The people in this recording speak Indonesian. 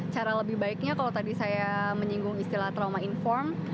cara lebih baiknya kalau tadi saya menyinggung istilah trauma informed